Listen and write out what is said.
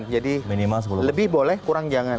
jadi lebih boleh kurang jangan